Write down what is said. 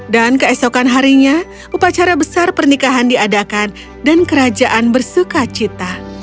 dan keesokan harinya upacara besar pernikahan diadakan dan kerajaan bersuka cita